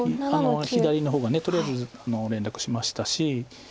左の方がとりあえず連絡しましたし。